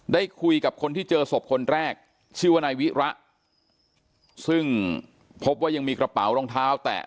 ได้คุยกับคนที่เจอศพคนแรกชื่อว่านายวิระซึ่งพบว่ายังมีกระเป๋ารองเท้าแตะ